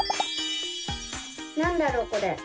なんだろうこれ？